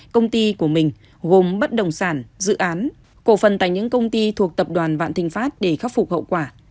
công ty của mình gồm bất đồng sản dự án cổ phần tại những công ty thuộc tập đoàn vạn thịnh pháp để khắc phục hậu quả